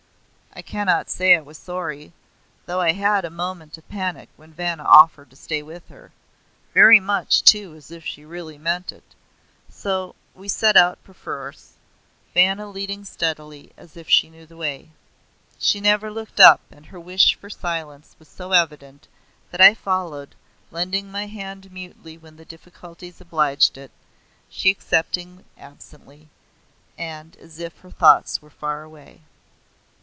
I cannot say I was sorry, though I had a moment of panic when Vanna offered to stay with her very much, too, as if she really meant it. So we set out perforce, Vanna leading steadily, as if she knew the way. She never looked up, and her wish for silence was so evident, that I followed, lending my hand mutely when the difficulties obliged it, she accepting absently, and as if her thoughts were far away.